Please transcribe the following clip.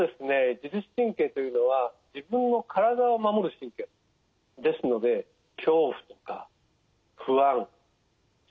自律神経というのは自分の体を守る神経ですので恐怖とか不安そして危険